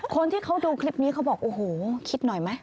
คนที่เขาดูคลิปนี้เขาบอกโอ้โหคิดหน่อยไหม